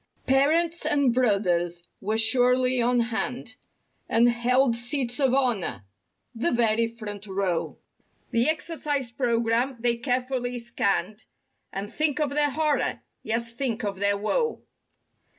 Parents and brothers were surely on hand And held seats of honor—the very front row. The "Exercise Program" they carefully scanned And—think of their horror! Yes, think of their woe!